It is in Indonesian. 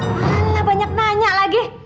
malah banyak nanya lagi